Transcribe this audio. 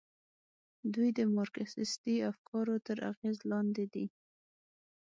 دوی د مارکسیستي افکارو تر اغېز لاندې دي.